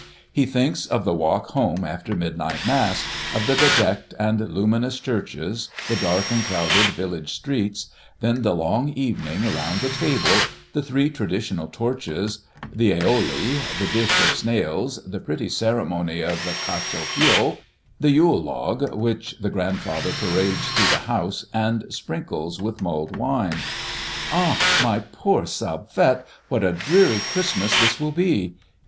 He thinks of the walk home after midnight Mass, of the bedecked and luminous churches, the dark and crowded village streets, then the long evening around the table, the three traditional torches, the aïoli, the dish of snails, the pretty ceremony of the cacho fio, the Yule log, which the grandfather parades through the house and sprinkles with mulled wine. "Ah, my poor Salvette, what a dreary Christmas this will be!